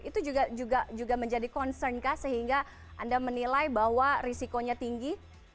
itu juga menjadi concern kah sehingga anda menilai bahwa risikonya tinggi